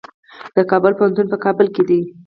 د کابل پوهنتون په کابل کې دی